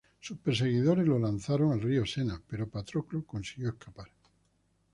Sus perseguidores lo lanzaron al río Sena, pero Patroclo consiguió escapar.